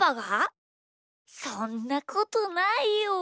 そんなことないよ。